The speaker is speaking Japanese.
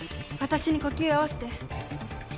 私に呼吸を合わせて。